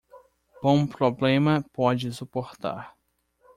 Bom problema pode suportar